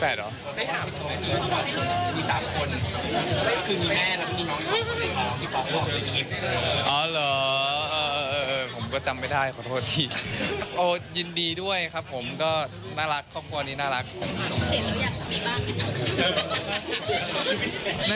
เอาไปฟังจ้าค่ะ